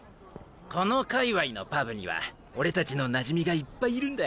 この界隈のパブには俺たちのなじみがいっぱいいるんだ。